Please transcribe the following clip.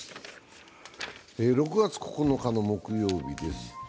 ６月９日の木曜日です。